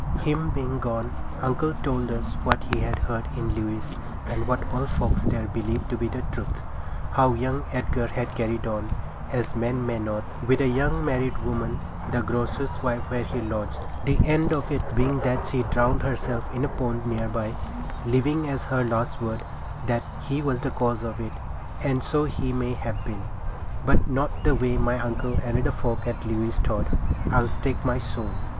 Him being gone, uncle told us what he had heard in Lewes, and what all folks there believed to be the truth; how young Edgar had carried on, as men may not, with a young married woman, the grocer's wife where he lodged, the end of it being that she drowned herself in a pond near by, leaving as her last word that he was the cause of it; and so he may have been, but not the way my uncle and the folk at Lewes thought, I'll stake my soul.